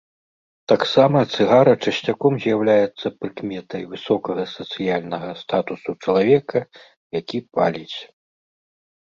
Таксама цыгара часцяком з'яўляецца прыкметай высокага сацыяльнага статусу чалавека, які паліць.